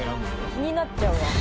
気になっちゃうわ。